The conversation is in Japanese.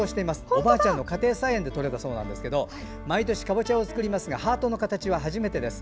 おばあちゃんの家庭菜園でとれたそうですが毎年かぼちゃを作りますがハートの形は初めてです。